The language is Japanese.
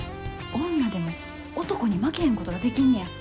女でも男に負けへんことができんねや。